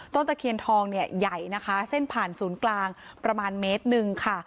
ตะเคียนทองเนี่ยใหญ่นะคะเส้นผ่านศูนย์กลางประมาณเมตรหนึ่งค่ะ